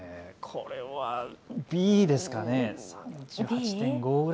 これはＢですかね。